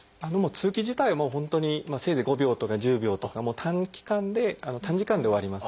通気自体はもう本当にせいぜい５秒とか１０秒とか短期間で短時間で終わります。